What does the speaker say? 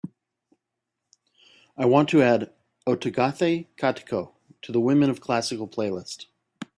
I want to add Ottagathai Kattiko to the women of classical playlist.